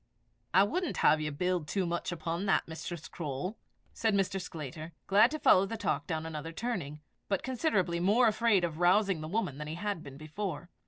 "I wouldn't have you build too much upon that, Mistress Croale," said Mr. Sclater, glad to follow the talk down another turning, but considerably more afraid of rousing the woman than he had been before.